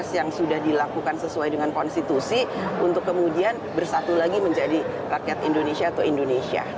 yang sudah dilakukan sesuai dengan konstitusi untuk kemudian bersatu lagi menjadi rakyat indonesia atau indonesia